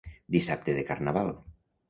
Dissabte de Carnaval.